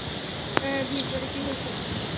ভিন্ডরের কী হইছে?